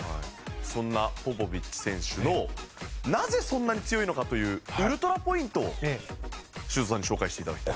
そんなポポビッチ選手のなぜそんなに強いのかというウルトラポイントを修造さんに紹介して頂きたい。